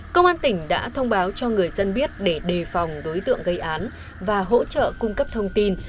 công an tỉnh đã thông báo cho người dân biết để đề phòng đối tượng gây án và hỗ trợ cung cấp thông tin